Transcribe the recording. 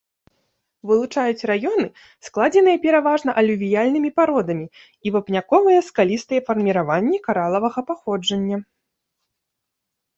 Вылучаюць раёны, складзеныя пераважна алювіяльнымі пародамі, і вапняковыя скалістыя фарміраванні каралавага паходжання.